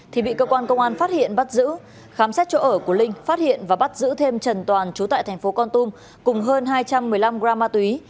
thì bị cơ quan công an phát hiện bắt giữ khám xét chỗ ở của linh phát hiện và bắt giữ thêm trần toàn chú tại thành phố con tum cùng hơn hai trăm một mươi năm gram ma túy